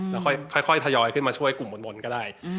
แล้วค่อยทยอยขึ้นมาช่วยกลุ่มบนก็ได้